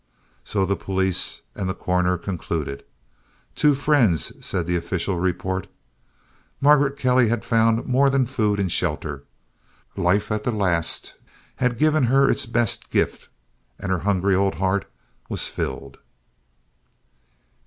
So the police and the coroner concluded. "Two friends," said the official report. Margaret Kelly had found more than food and shelter. Life at the last had given her its best gift, and her hungry old heart was filled.